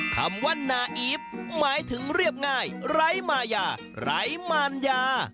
คำว่านาอีฟหมายถึงเรียบง่ายไร้มายาไร้มารยา